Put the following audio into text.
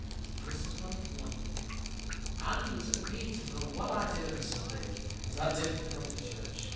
He christened the little un; an' he was at me to know what I did of a Sunday, as I didn't come to church.